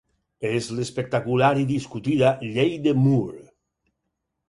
És l'espectacular i discutida Llei de Moore.